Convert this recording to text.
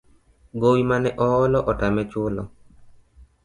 Gowi mane oolo otame chulo